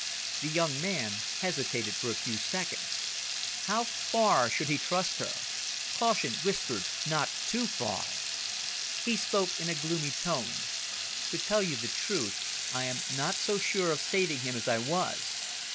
The young man hesitated for a few seconds. How far should he trust her? Caution whispered not too far. He spoke in a gloomy tone. "To tell you the truth, I am not so sure of saving him as I was.